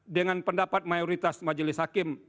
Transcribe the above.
dengan pendapat mayoritas majelis hakim